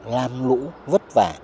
làm lũ vất vả